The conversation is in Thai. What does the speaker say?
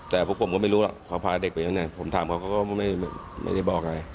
แต่พวกผมก็ไม่รู้ล่ะขอพาเด็กไปไหนผมถามเขาก็ไม่ไม่ได้บอกอะไร